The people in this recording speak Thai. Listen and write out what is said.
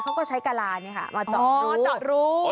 เขาก็ใช้กระลานี่ค่ะมาจอดรู